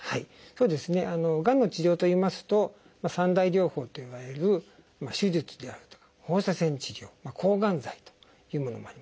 がんの治療といいますと３大療法といわれる手術であるとか放射線治療抗がん剤というものもあります。